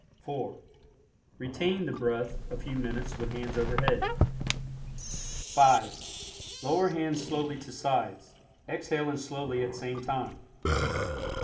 (4) Retain the breath a few minutes with hands over head. (5) Lower hands slowly to sides, exhaling slowly at same time.